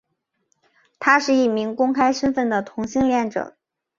他是一名公开身份的同性恋者。